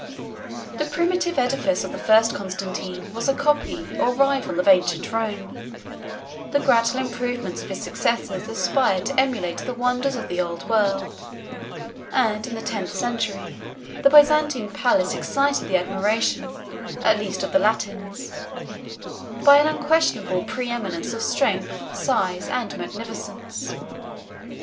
The primitive edifice of the first Constantine was a copy, or rival, of ancient Rome; the gradual improvements of his successors aspired to emulate the wonders of the old world, 32 and in the tenth century, the Byzantine palace excited the admiration, at least of the Latins, by an unquestionable preeminence of strength, size, and magnificence.